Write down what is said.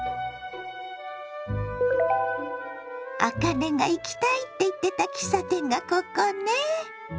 あかねが行きたいって言ってた喫茶店がここね？